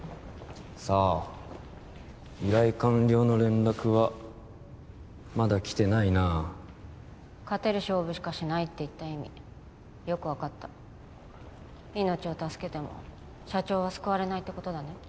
さあ依頼完了の連絡はまだ来てないな「勝てる勝負しかしない」って言った意味よく分かった命を助けても社長は救われないってことだね